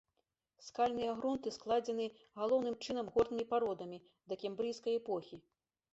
Скальныя грунты складзены галоўным чынам горнымі пародамі дакембрыйскай эпохі.